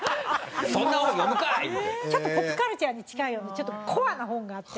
ポップカルチャーに近いようなちょっとコアな本があって。